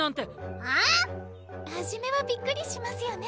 あん⁉初めはびっくりしますよね。